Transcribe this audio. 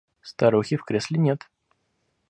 Старухи в кресле нет.